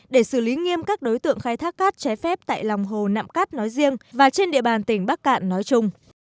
để xử lý nghiêm các đối tượng khai thác cát trái phép tại lòng hồ nạm cát nói riêng và trên địa bàn tỉnh bắc cạn nói chung